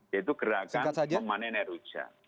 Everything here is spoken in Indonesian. yaitu gerakan memanen air hujan